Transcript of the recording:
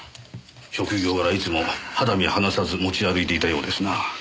職業柄いつも肌身離さず持ち歩いていたようですな。